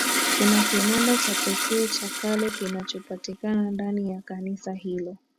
Kuna kinanda cha pekee cha kale kinachopatikana ndani ya kanisa hilo